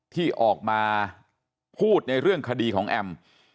ที่ออกมาพูดในเรื่องคดีของแอม